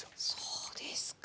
そうですか。